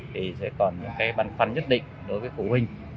thì sẽ còn những cái băn khoăn nhất định đối với phụ huynh